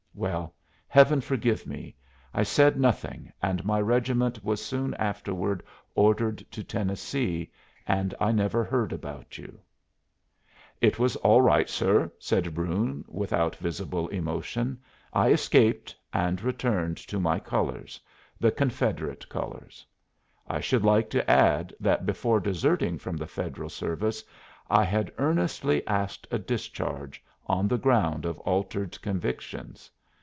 Well, Heaven forgive me! I said nothing, and my regiment was soon afterward ordered to Tennessee and I never heard about you." "It was all right, sir," said Brune, without visible emotion; "I escaped and returned to my colors the Confederate colors. I should like to add that before deserting from the Federal service I had earnestly asked a discharge, on the ground of altered convictions.